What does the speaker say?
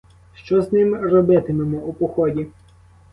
Що з ним робитимемо у поході?